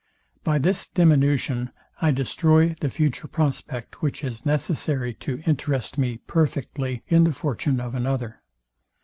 By this diminution I destroy the future prospect, which is necessary to interest me perfectly in the fortune of another.